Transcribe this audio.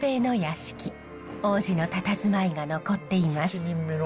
往時のたたずまいが残っています。